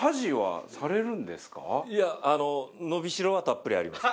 いやあの伸びしろはたっぷりあります。